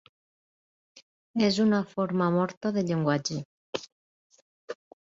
És una forma morta de llenguatge”.